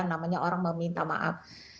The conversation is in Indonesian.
namanya orang meminta maaf